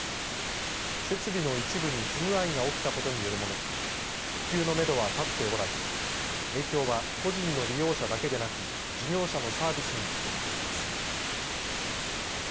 設備の一部に不具合が起きたことによるもので復旧のめどは立っておらず影響は個人の利用者だけでなく事業者のサービスにも広がっています。